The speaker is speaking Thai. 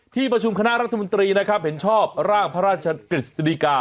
ที่ประชุมคณะรัฐมนตรีนะครับเห็นชอบร่างพระราชกฤษฎีกา